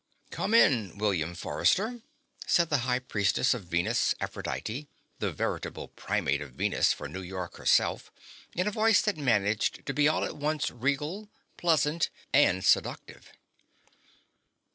"Come in, William Forrester," said the High Priestess of Venus/Aphrodite, the veritable Primate of Venus for New York herself, in a voice that managed to be all at once regal, pleasant and seductive.